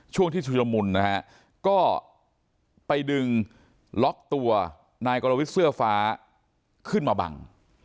ช่วงที่ชุลมุนนะฮะก็ไปดึงล็อกตัวนายกรวิทย์เสื้อฟ้าขึ้นมาบัง